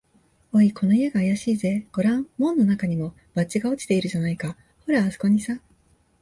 「おい、この家があやしいぜ。ごらん、門のなかにも、バッジが落ちているじゃないか。ほら、あすこにさ」